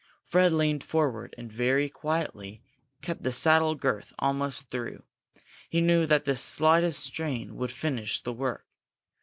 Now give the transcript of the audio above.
Fred leaned forward and very quietly cut the saddle girth almost through. He knew that the slightest strain would finish the work.